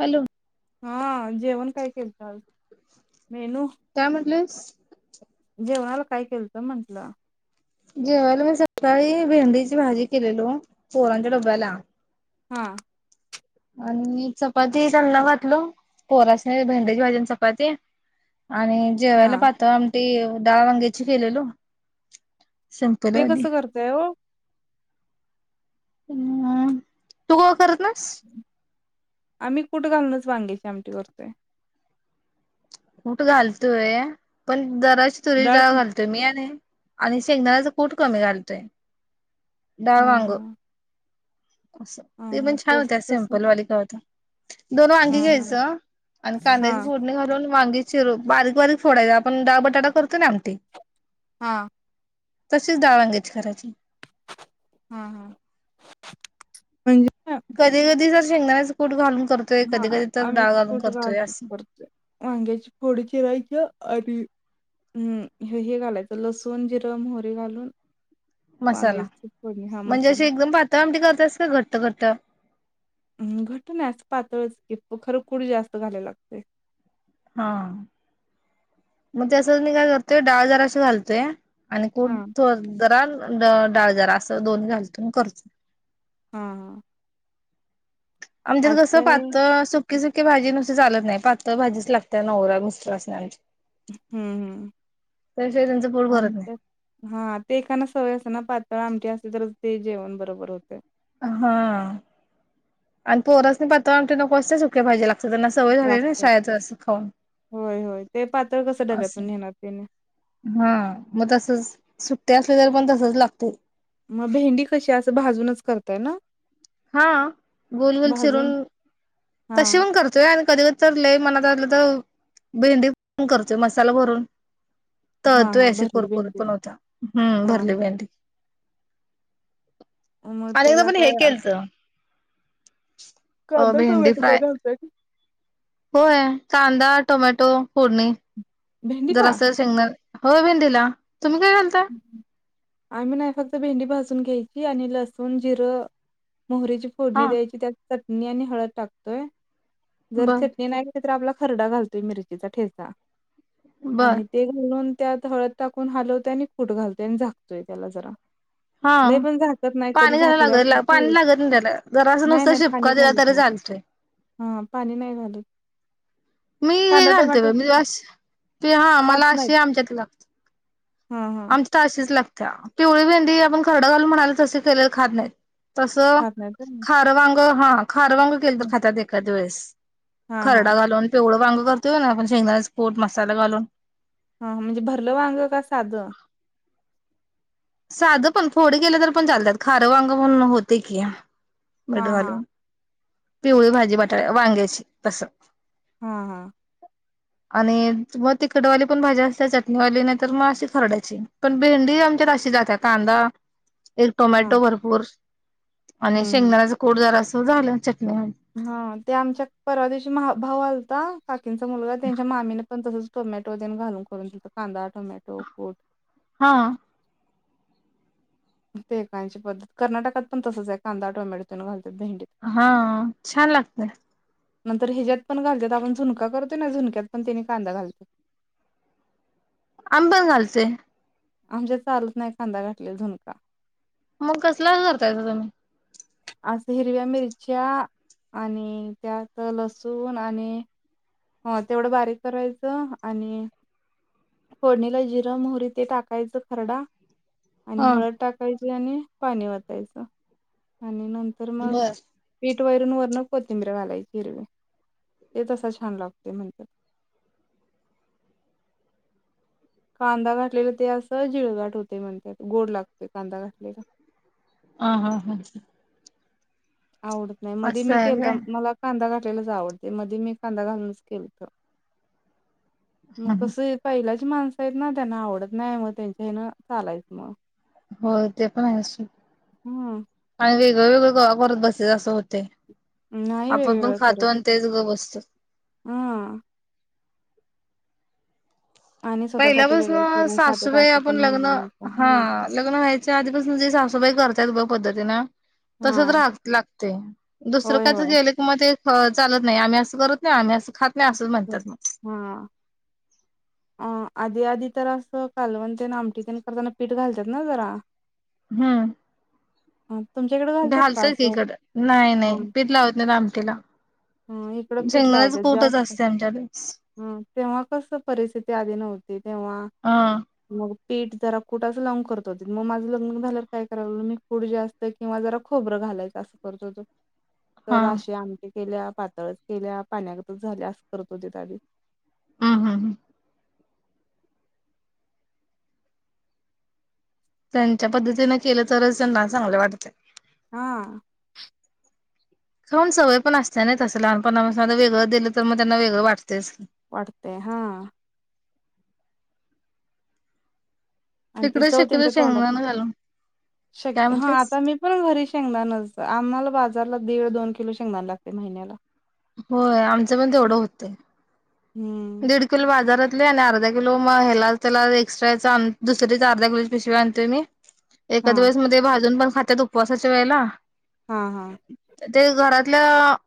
Hello हा, जेवण काय केलत आज, मेनू काय म्हटलंस जेवणाला काय केलंत म्हंटलं. जेवायला मी सकाळी भेंडीची भाजी केलेलो, पोरांच्या डब्याला हा. आणि चपाती त्यांना घातलो, पोरासने भेंडे्याची भाजी अन् चपाती आणि जेवायला हा पातळ आमटी, डाळ वांग्याची केलेलो. सिंपल ते वाली कसं करतय ओ हम्म, तू कवा करत नाईस आम्ही कुट घालूणच वांगेची आमटी करतोय. कुट घालतोय, पण जराशी तुरीची डाळ घालतो. तुम्ही आणि, आणि शेंगदाण्याच कूट कमी घालतोय, डाळ हा वांग हा असं, हा ते हा पण छान तस होत्या तस सिम्पलवाली कवा तर. दोन वांगी हा हा घ्यायचं आणि हा कांद्याची फोडणी घालून वांगी चिरून बारीक-बारीक फोडा, आपण डाळ बटाटा करतो ना आमटी हा. तशीच डाळ वांग्याची करायची. हा. हा. [unintelligible] कधी कधी तर शेंगदाण्याच कूट घालून करतोय. कधी कधी तर डाळ घालून करतोय असं. वांग्याच्या फोडी चिरायच्या आणि- अं. हे हे घालायचं लसूण, जिर, मोहरी घालून- मसाला वांगेची फोडी हा म्हणजे अशी मसाला. एकदम पातळ आमटी करतेस का घट्ट करतेय? घट्ट नाही अस पातळच की खरं कुट जास्त घालाया लागतय. हां. मग त्याच मी काय करतेय डाळ जराशी घालते- आणि हा कुट जरा अन् डाळ जरा असं दोन्ही घालून करतो. हां हां. आमच्याकडे कसं काय पातळ सुकी सुकी भाजी नुसती चालत नाही. पातळ भाजीच लागते. त्यां नवरा [unintelligible] हम्म. त्याशिवाय त्यांचं पोट भरत नाही आमच्यात- हां. ते एकाना सवय असते ना पातळ आमटी असळी तरच ते जेवण बरोबर होते. हां. आणि पोरास्नी पातळ आमटी नको असते. सुकी - भाजी लागतात. त्यांना सवय झाली ना लागतात शाळेेतं अस खाऊन. होय. होय. ते पातळ कस डब्यातून नेणार त्याने- हां. मग तसच. सुट्ट्या असल्या तरी पण तसच लागतय. म भेंडी कशी असं भाजूनच करताय ना? हां. गोल गोल चिरून भाजून हा तशी पण करत- -ते आणि कधी तर लय मनात आलं तर भेंडी [unintelligible] करतोय मसाला भरून. तर हा ते हा अस भरली कुरकुरीत भेंडी पण होता. हम्. हा भरली हा भेंडी. मग आणि एकदा त्याला पण हे काय? केलत अ कांदा भेंडी टोमॅटो काय फ्राय. घालताय होय. कांदा, टोमॅटो फोडणी. भेंडीला जरास शेंगदाण. हो. भेंडीला. तुम्ही काय घालता? आम्ही नाही. फक्त भेंडी भाजून घ्यायची आणि लसूण, जिरं- मोहरीची फोडणी हा द्यायची. त्यात चटणी आणि हळद टाकतोय. जर बर चटणी नाही- -तली तर आपला खरडा घालतोय मिरचीचा ठेचा बर आणि- ते घालून त्यात हळद टाकून हलवतोय आणि कूट घालतोय आणि झाकतोय त्याला जरा. हा लई पण झाकत नाही. कधी पाणी घायला झाकल्यावर लागत पाणी [unintelligible] लागत नाही त्याला जरासं नाही नुसतं नाही पाणी शिपका दिला घालत तरी नाही. चालतोय हां. पाणी नाही घालत. मी कांदा घालते टोमॅटो बाई. मी अस हां. मला असेही आमच्यात लागत. हं. हं. आमच्यात अशीच लागतेया. पिवळी भेंडी आपण खरडा घालून म्हणालोय तसे केलेले खात नाहीत. तसं खात नाहीत होय. खारं वांग, हां. खार वांग केलं तर खातात एखाद वेळेस. हा हा खरडा घालून पिवळं वांग करतोय का नाही आपण शेंगदाण्याच पोट मसाला घालून. हां. म्हणजे भरलं वांग का साधं? साधं पण फोडी केल्या तरी पण चालत्यात. खारं वांग म्हणून होतय की हा हा मिठघालून. पिवळी भाजी बटाट्या वांग्याची असं. हां हां. आणि म तिखटवाली पण भाजी असतेया चटणीवाली नाही तर मग अशी खरड्याची. पण भेंडी आमच्यात अशी जात्या. कांदा- एक टोमॅटो हम्म भरपूर आणि हम्म. शेंगदाण्याच कूट जरास झालं. चटणी- हा ते आमच्या परवा दिवशी भाऊ आलता काकींचा मुलगा. त्यांच्या मामीने पण तसच टोमॅटो देन घालून करून दि कांदा टोमॅटो कूट हा तेे काहीची पद्धत, कर्नाटकात पण तसच आहे कांदा टोमॅटो तिन घालतात भेंडीत. हा छान लागतय. नंतर ह्याच्यात पण घालत्यात आपण झुणका करतो ना झुणक्यात पण त्यानी कांदा घालतो. आम्ही पण घालतोय. आमच्यात चालत नाही कांदा घातलेला झुणका. मग कसला करताय तुम्ही? अस हिरव्या मिरच्या आणि त्याच लसूण आणि हो तेवढ बारीक करायच. आणि फोडणीला जिर मोहोरी ते टाकायच खरडा. आणि हा हळद टाक ज आणि पाणी वतायच आणि नंतर मग बर पीठ वयरून वरन कोथंबीर घालायची हिरवी ते तस छान लागते म्हणतात. कांदा घाटलेला ते असं जिळगाट होते म्हणत गोड लागते कांदा घातलेल. हम्म हम्म हम्म आवडत नाही. मध्ये असं मी आहे केलता व्हय मला कांदा घाठलेयलाच आवडते मध्ये मी कांदा घालूनच केलत. मग कस पहिल्याची माणस आहेत ना त्यांना आवडत नाही मग त्यांच्या हन चालायच मग. हो ते पण आहे. अस हम्म आणि वेगळ वेगळं करत बसायच अस होतय. नाही आपण पण वेगवेगळं खातो करत आणि तेच गप बसतो. हा आणि स्वतःसाठी वेगळं पहिल्यापासून करून खात्यात सासूबाई असं आपण पण लग्न, म्हणू नका हा लग्न व्हायच्या आधीपासून जे सासूबाई करत्यात बघ पद्धतीन तसच हा राह लागते. दुसर होय कायच होय. जेवले. मग ते चालत नाही. आम्ही अस करत नाही. आम्ही अस खात नाही. असच म्हणतात मग. हा आ आधी आधी तर अस कालवण ते आमटी ते करताना पीठ घालत्यात ना जरा. हम्म हम्म तुमच्याकडे घालतात का घालतय की असं? इकड नाही नाही पीठ लावत नाही लामटीला. हम्म इकड पीठ लावत्यात जास्त. असते आमच्याकडे हम्म तेव्हा कस परिस्थिती आधी नव्हती तेव्हा ह मग पीठ जरा कुटाच लाऊन करत होते. मग माझ लग्न झाल्यावर काय करायला लागलं मी कुठ जास्त जास्त किंवा जरा खोबर घालायच असत. हा जराशी आमटि केल्या, पातळच केल्या, पाण्यागतच झाल्या अस करत होते. हम्म हम्म हम्म त्यांच्या पद्धतीने केल तरच त्यांना चांगल वाटत. हा खाऊन सवय पण असते ना तस लहानपणापासन आता वेगळ दिल तर मग त्यांना वेगळ वाटतेच. वाटते हा आणि ती तिकडे चव शक्यतो त्यांच्या तोंडातन शेंगदाण घालून. काय शक्य हा म्हटलेस? आता मी पण घरी शेंगदानच आम्हाला बाजारला दीड दोन किलो शेंगदान लागते महिन्याला. होय आमच पण तेवढ होतय. हम्म दीड किलो बाजारातले आणि अर्धा किलो म ह्याला त्याला एक्स्ट्राचे आण दुसरीच अर्धा किलोची पिशवी आणतेय मी [unintelligible] एखाद वेळेस म ते भाजून पण खातात उपवासाच्या वेळेला हा, हा ते घरातल्या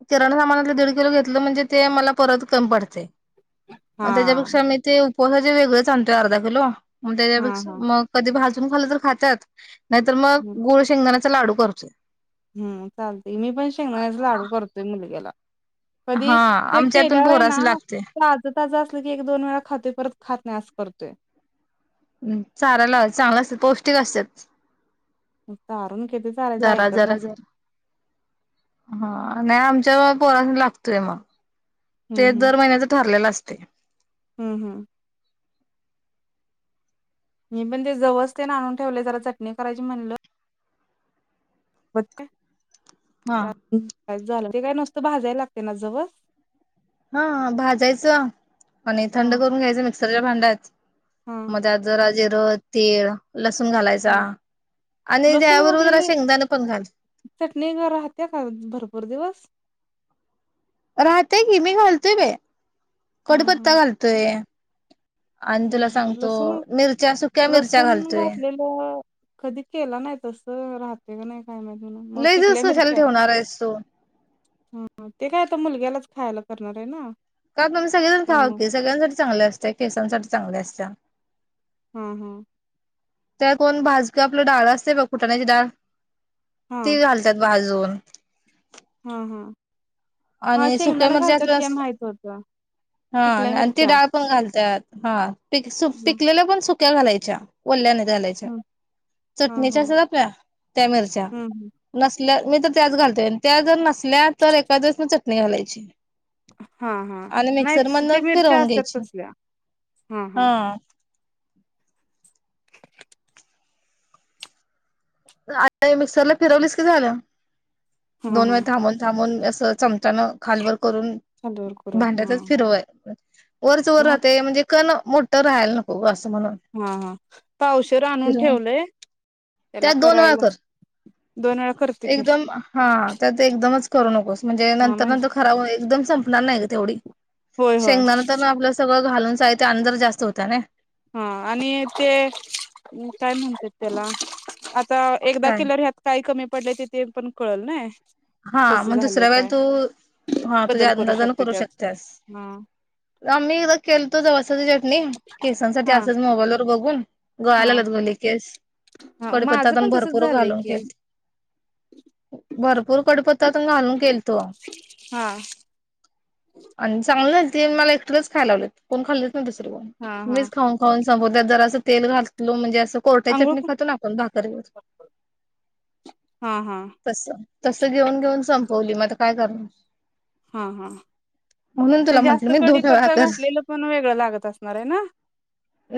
किराणा सामानातले दीड किलो घेतलं म्हणजे ते मला परत कमी पडतय [inaudible] मग त्याच्यापेक्षा मी ते उपवासाचे वेगळेच आणतोय अर्धा किलो मग हा त्याच्यापेक्षा हा मग कधी भाजून खालं तर खात्यात नाहीतर मग गुळ शेंगदाण्याचा लाडू करतोय हम् चालतय मी पण शेंगदाण्याचा लाडू करतोय मुलग्याला कधी हा ते आमच्यातून केल्यावर आहे ना पोरासनी लागतंय. माझं त्याच अस असलं की एक, दोन वेळा खातोय परत खात नाही अस करतोय हम्म चारायला लाव चांगलं असतं पौष्टिक असत्यात चारून किती चारायचं जरा ऐकत जरा नाहीत जरा हा नाही आमच्या पोरास्नी लागतोय मग ते हम्म दर महिन्याचं ठरलेलं असतय हम, हम मी पण ते जवस तेन आणून ठेवले जरा चटणी करायची म्हणलं [unintelligible] हा झालं ते काय नूसतं भाजायला लागते ना जव हा भाजायचं आणि हा थंड करून घ्यायचं मिक्सरच्या भांड्यात हा म त्यात जरा जीर तीळ, लसूण घालायचा हा आणि लसूण त्याबरोबर घातलेली शेंगदाण पण घाल चटणी ग राहतेया का भरपूर दिवस राहतेय की मी घालतोय बई हा हा कडीपत्ता घालतोय आणि ह तुला ह सांगतो लसूण मिरच्या सुक्या मिरच्या लसूण घालतोय कधी केला नाही तस राहते का नाही काय माहित मला लई दिवस कशाला ठेवणार आहेस तू हा, हा ते काय आता मुलग्यालाच खायला करणार आहे ना का आपण सगळेजण खावा त्यामुळे की सगळ्यांसाठी चांगले असतीया केसांसाठी चांगले असतीया हा, हा त्या कोण भाजक्या आपलं डाळ्या असतय बघ पूटाण्याची डाळ हा ती घाल त्यात भाजून हा, हा हा आणि सुक्या शेंगदाण मिरच्या घालतात हे असल्या माहित होत हा पिकल्या आणि ती मिरच्या डाळ पण घालतात हा पिक ह पिकलेल्या पण सुक्या घालायच्या वल्या नाही घालायच्या ह अच्छा हा चटणीच्या हा असत्यात त्या मिरच्या हम्म नसल्या मी तर त्याच घालतोय आणि त्या जर नसल्या तर एका दिवस म चटणी घालायची हा हा आणि मिक्सर नाहीच ते मधन मिरच्या फिरवून असतात घ्यायची तसल्या हा आ मिक्सरला फिरवलीस की झालं हा दोन हा वेळा थांबून, थांबून असं चम च्यान खालवर करून खालीवर करून हा भांड्यातच फिरवायचं वरच वर हा राहतय म्हणजे कण मोठं राहायला नको हो असं मनू हा, हा पावशेर आणून ठेवलंय त्याला त्यात दोन वेळा करायला कर दोन वेळा कर एकदम हा त्यात एकदमच करू नकोस म्हणजे हा नंतर, म्हणजे नंतर खराब हो संपणार नाही गं तेवढी होय. होय शेंगदान तर ना आपलं सगळं घालून साहित्य आणि जरा जास्त होतं नई. हा आणि ते, काय म्हणतात त्याला, आता एकदा काय केल्यावर ह्यात काय कमी पडलंय ते ते पण कळल नय. हा, मग दुसऱ्या वेळे तू हा तुझ्या बदल अंदाजान शकतो करू त्यात शकत्यास. हा आम्ही एखादा केलतो जवा असच स्ट्रेटनिंग केसांसाठी हा असच मोबाईल वर बघून, गळाय हा लागल्यात गं लई केस. हा कडीपत्ता माझं तेण पण तसच भरपूर झालंय घालून की केलतो, भरपूर पतातून घालून केलतो. हा आणि चांगली झालती, मला एकटीलाच खायला लावलेत, कोण खाल्लीच नाही, दुसर कोण, हा हा मीच खाऊन संपूत्यात, जर असं तेल घातल म्हणजे अस कोरट्या चटणी अंघोळ खातो ना, आपण भाकरी गत. हा हा तस, तस घेऊन-घेऊन संपवली, मग आता काय करणार. हा-हा म्हणून ते तुला म्हटलं जास्त मी दोन वेळा कडीपत्ता कर. घातलेलं पण वेगळं लागत असणार आहे ना.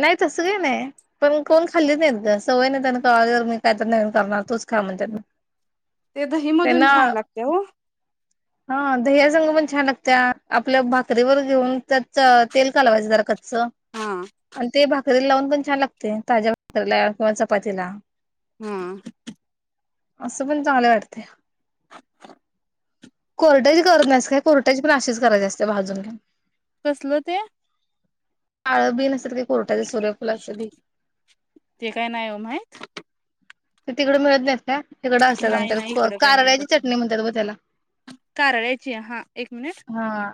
नाही, तसं काही नाही. पण कोण खाल्लीच नाहीत ग, सवय नाही त्यांना कळली तर मी काय तर नवीन करणार, तूच खा म्हणत्यात मग. ते दही मधून त्यांना छान लागते हो. हा, दह्या संग पण छान लागत्या, आपल्या भाकरीवर घेऊन त्याच तेल कालवायचे कच्च अस, हा आणि ते भाकरीला लावून पण छान लागतय, ताज्या भाकरीला किंवा चपातीला. हम्म. असं पण चांगलं वाटतय. कोरट्याची करत नाहीस काय, कोरट्याची पण अशीच करायची असते, भाजून घेऊन. कसलं ते. काळं बि नसतात का कोरटाच्या सूर्यफुलाच बी. ते काय नाही ओ माहीत. ते तिकडं मिळत नाहीत काय, तिकडं असत्यात नाही नाही आमच्याकड, कारव्याची चटणी म्हणतात ब त्याला. कारव्याची हा, एक मिनिट. हा